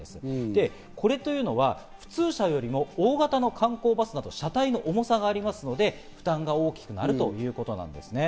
で、これというのは普通車よりも大型の観光バスなど車体の重さがありますので、負担が大きくなるということですね。